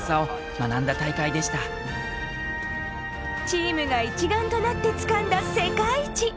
チームが一丸となってつかんだ世界一。